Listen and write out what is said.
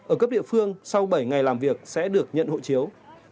ở cấp địa phương sau bảy ngày làm việc sẽ được nhận hộ chiếu